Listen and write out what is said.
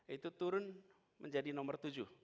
itu turun menjadi nomor tujuh